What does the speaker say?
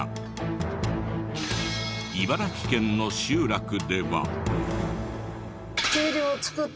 茨城県の集落では。